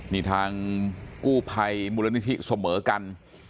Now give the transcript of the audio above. มีทางกู้ไพมุรณิธิเสมอกัน